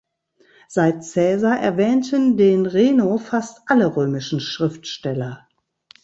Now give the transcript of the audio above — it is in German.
Seit Cäsar erwähnten den Reno fast alle römischen Schriftsteller.